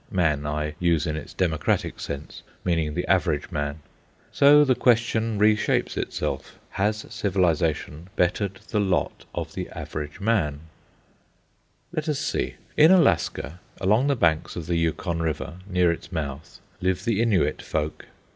"Man," I use in its democratic sense, meaning the average man. So the question re shapes itself: Has Civilisation bettered the lot of the average man? Let us see. In Alaska, along the banks of the Yukon River, near its mouth, live the Innuit folk.